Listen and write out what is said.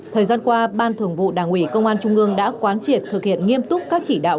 thời gian qua ban thường vụ đảng ủy công an trung ương đã quán triệt thực hiện nghiêm túc các chỉ đạo